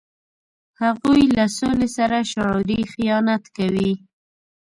هغوی له سولې سره شعوري خیانت کوي.